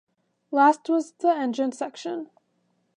Last was the engine section.